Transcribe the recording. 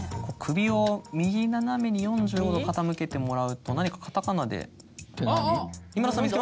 首を右斜めに４５度傾けてもらうと何かカタカナで。